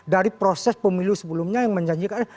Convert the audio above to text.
dari proses pemilu sebelumnya yang menjanjikan